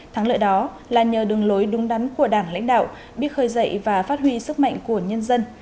thắng lợi đó là nhờ đường lối đúng đắn của đảng lãnh đạo biết khơi dậy và phát huy sức mạnh của nhân dân